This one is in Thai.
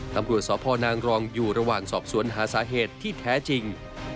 ตำรวจสพนางรองอยู่ระหว่างสอบสวนหาสาเหตุที่แท้จริง